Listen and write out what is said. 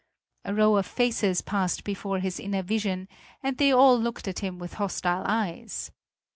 A row of faces passed before his inner vision, and they all looked at him with hostile eyes.